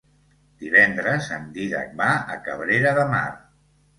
Divendres en Dídac va a Cabrera de Mar.